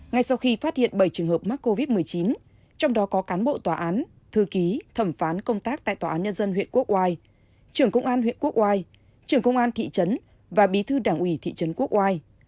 ngay sau khi phát hiện bảy trường hợp mắc covid một mươi chín trong đó có cán bộ tòa án thư ký thẩm phán công tác tại tòa án nhân dân huyện quốc oai trưởng công an huyện quốc oai trưởng công an thị trấn và bí thư đảng ủy thị trấn quốc oai